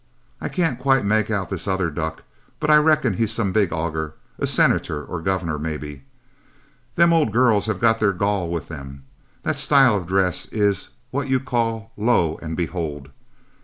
I can't quite make out this other duck, but I reckon he's some big auger a senator or governor, maybe. Them old girls have got their gall with them. That style of dress is what you call lo and behold.